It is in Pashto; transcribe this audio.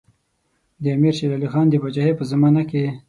د امیر شېر علي خان د پاچاهۍ په زمانه کې.